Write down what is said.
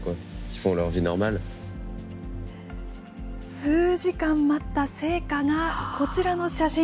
数時間待った成果がこちらの写真。